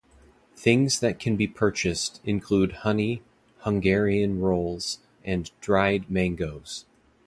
Things that can be purchased include honey, Hungarian Rolls and dried mangos.